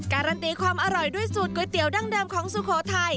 การันตีความอร่อยด้วยสูตรก๋วยเตี๋ยวดั้งเดิมของสุโขทัย